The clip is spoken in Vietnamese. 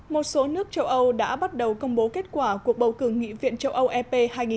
một số nước châu âu đã bắt đầu công bố kết quả cuộc bầu cử nghị viện châu âu ep hai nghìn hai mươi